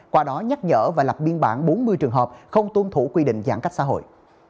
qua đó nhắc nhở và lập biên bản bốn mươi trường hợp không tuân thủ quy định giãn cách xã hội